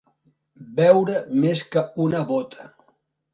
Beure més que una bota.